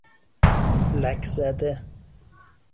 لکزده